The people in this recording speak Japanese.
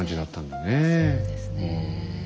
そうですね。